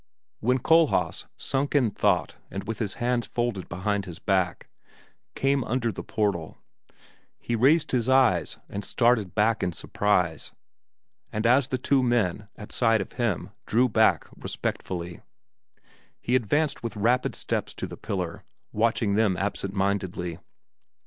When Kohlhaas, sunk in thought and with his hands folded behind his back, came under the portal, he raised his eyes and started back in surprise, and as the two men at sight of him drew back respectfully, he advanced with rapid steps to the pillar, watching them absent mindedly.